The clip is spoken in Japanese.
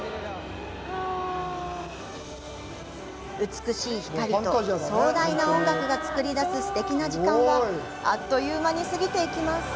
美しい光と壮大な音楽が作り出すすてきな時間は、あっという間に過ぎていきます。